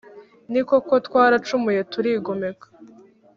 Ni koko, twaracumuye turigomeka,